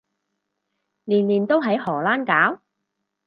年年都喺荷蘭搞？